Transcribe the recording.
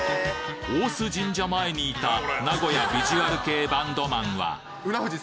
大須神社前にいた名古屋ビジュアル系バンドマンは。